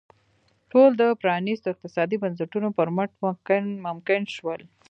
ټول د پرانیستو اقتصادي بنسټونو پر مټ ممکن شول.